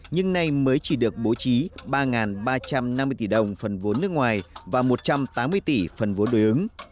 nhưng nay mới chỉ được bố trí ba ba trăm năm mươi tỷ đồng phần vốn nước ngoài và một trăm tám mươi tỷ phần vốn đối ứng